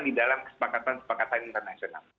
di dalam kesepakatan kesepakatan internasional